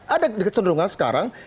ada kecenderungan sekarang